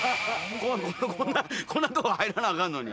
こんなとこ入らなあかんのに。